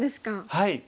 はい。